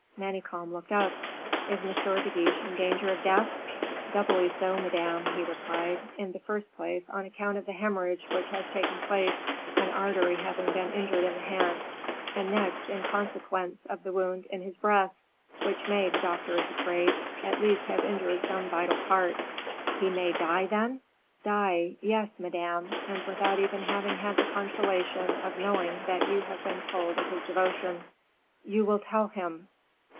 Manicamp looked up. "Is M. de Guiche in danger of death?" "Doubly so, Madame," he replied; "in the first place on account of the hemorrhage which has taken place, an artery having been injured in the hand; and next, in consequence of the wound in his breast, which may, the doctor is afraid, at least, have injured some vital part." "He may die, then?" "Die, yes, Madame; and without even having had the consolation of knowing that you have been told of his devotion." "You will tell him."